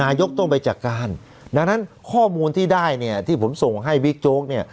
ต้องไปจัดการดังนั้นข้อมูลที่ได้เนี่ยที่ผมส่งให้บิ๊กโจ๊กเนี่ย